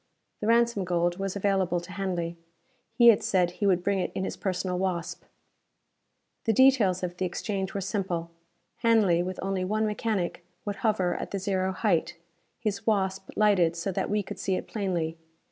The ransom gold was available to Hanley. He had said he would bring it in his personal Wasp. The details of the exchange were simple. Hanley, with only one mechanic, would hover at the zero height, his Wasp lighted so that we could see it plainly.